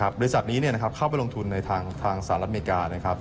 บริษัทนี้เข้าไปลงทุนในทางสหรัฐอเมริกานะครับ